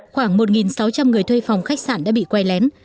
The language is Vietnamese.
khoảng một sáu trăm linh người thuê phòng khách sạn đã bị quay lén